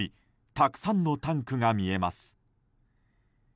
たくさんのタンクが見えます。